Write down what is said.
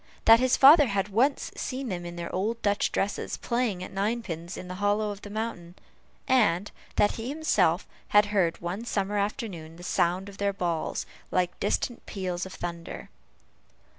That his father had once seen them in their old Dutch dresses playing at ninepins in the hollow of the mountain; and that he himself had heard, one summer afternoon, the sound of their balls, like distant peals of thunder.